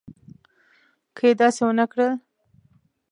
که یې داسې ونه کړل.